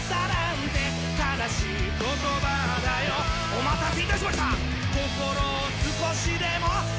お待たせいたしました！